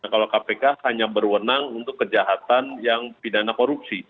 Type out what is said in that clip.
kalau kpk hanya berwenang untuk kejahatan yang pidana korupsi